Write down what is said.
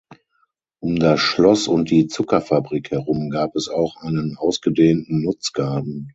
Um das Schloss und die Zuckerfabrik herum gab es auch einen ausgedehnten Nutzgarten.